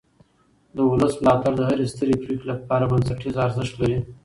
د ولس ملاتړ د هرې سترې پرېکړې لپاره بنسټیز ارزښت لري